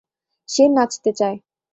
সে নাচতে চায়।